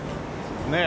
ねえ。